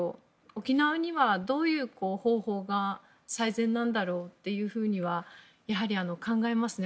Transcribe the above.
沖縄にはどういう方法が最善なんだろうというふうには考えますね。